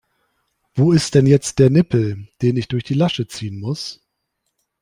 Wo ist denn jetzt der Nippel, den ich durch die Lasche ziehen muss?